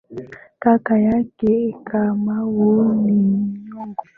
Kaka yake Kamau ni muongo.